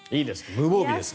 無防備ですね。